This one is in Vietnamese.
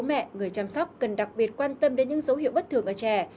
mẹ người chăm sóc cần đặc biệt quan tâm đến những dấu hiệu bất thường ở trẻ